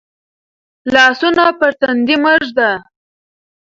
لاسونه پر تندي مه ږده.